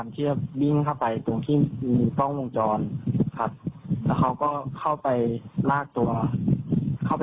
ทั้งหมดเลยครับ